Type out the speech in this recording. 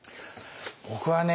僕はね